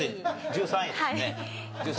１３位ですね。